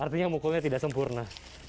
artinya mukulnya tidak sempurna